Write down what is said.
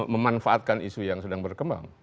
memanfaatkan isu yang sedang berkembang